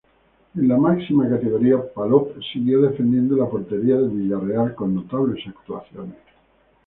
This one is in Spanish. En la máxima categoría Palop siguió defendiendo la portería del Villarreal con notables actuaciones.